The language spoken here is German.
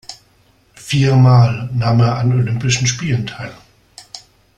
Viermal nahm er an Olympischen Spielen teil.